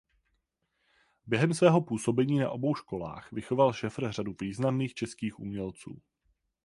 Během svého působení na obou školách vychoval Schäfer řadu významných českých umělců.